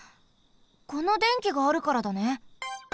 このでんきがあるからだね。